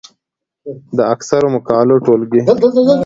د اکثرو مقالو ټولګې،